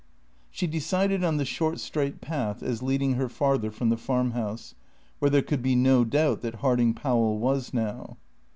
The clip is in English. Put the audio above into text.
She decided on the short straight path as leading her farther from the farm house, where there could be no doubt that Harding Powell was now.